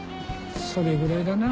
それぐらいだな。